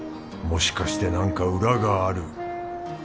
もしかしてなんか裏がある。